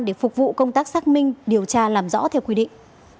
để phục vụ công tác xác minh điều tra làm rõ theo quy định